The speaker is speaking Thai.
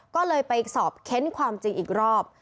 ก็เลยไปสอบเค้นความจริงอีกรอบ